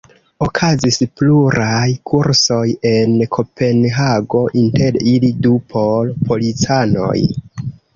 Okazis pluraj kursoj en Kopenhago, inter ili du por policanoj.